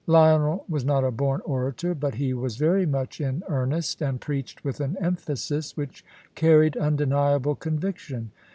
Lionel was not a born orator, but he was very much in earnest, and preached with an emphasis which carried undeniable conviction.